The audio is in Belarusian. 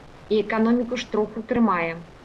І эканоміку ж троху трымае.